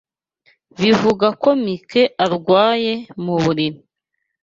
Bavuga ko Mike arwaye mu buriri.